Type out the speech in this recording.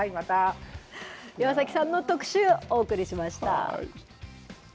岩崎さんの特集、お送りしま